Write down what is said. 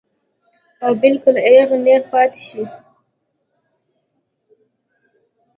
او بالکل اېغ نېغ پاتې شي -